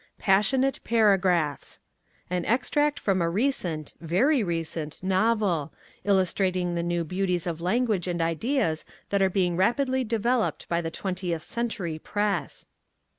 Passionate Paragraphs (An extract from a recent (very recent) novel, illustrating the new beauties of language and ideas that are being rapidly developed by the twentieth century press.)